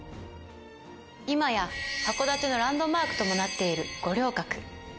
今や、函館のランドマークともなっている五稜郭。